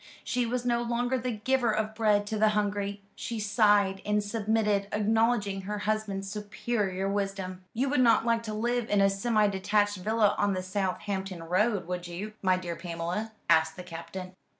She was no longer the giver of bread to the hungry. She sighed and submitted, acknowledging her husband's superior wisdom. "You would not like to live in a semi detached villa on the Southampton Road, would you, my dear Pamela?" asked the Captain.